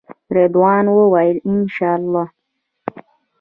رضوان وویل انشاالله.